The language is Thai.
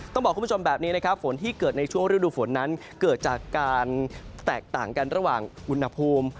ต้องบอกคุณผู้ชมแบบนี้นะครับฝนที่เกิดในช่วงฤดูฝนนั้นเกิดจากการแตกต่างกันระหว่างอุณหภูมิ